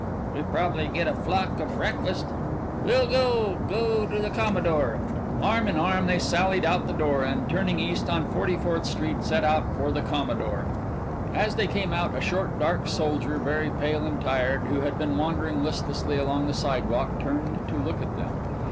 "We probably get a flock of breakfast." "We'll go go to the Commodore." Arm in arm they sallied out the door, and turning east in Forty fourth Street set out for the Commodore. As they came out a short dark soldier, very pale and tired, who had been wandering listlessly along the sidewalk, turned to look at them.